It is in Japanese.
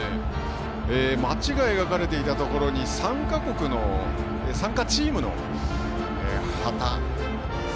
街が描かれていたところに参加チームの旗が。